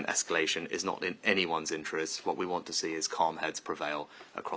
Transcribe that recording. tapi seperti yang saya katakan kepada prime minister netanyahu ketika saya berbicara dengan dia minggu lalu